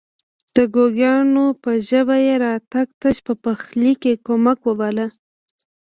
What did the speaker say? د ګونګيانو په ژبه يې راتګ تش په پخلي کې کمک وباله.